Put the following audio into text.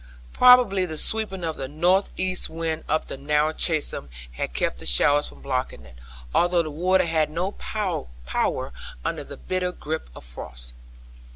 Probably the sweeping of the north east wind up the narrow chasm had kept the showers from blocking it, although the water had no power under the bitter grip of frost.